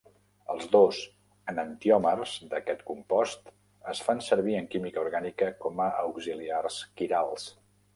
Els dos enantiòmers d'aquest compost es fan servir en química orgànica com a auxiliars quirals.